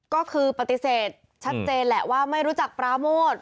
ก็คือปฏิเสธชัดเจนแหละว่าไม่รู้จักปราโมท